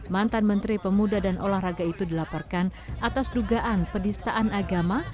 mantan menteri pemuda dan olahraga itu dilaporkan atas dugaan penistaan agama